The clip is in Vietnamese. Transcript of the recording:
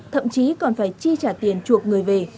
thậm chí còn phải chi trả tiền chuộc người về